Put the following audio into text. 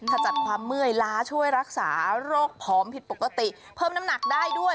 ถ้าจัดความเมื่อยล้าช่วยรักษาโรคผอมผิดปกติเพิ่มน้ำหนักได้ด้วย